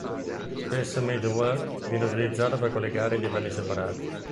Spesso middleware viene utilizzato per collegare i livelli separati.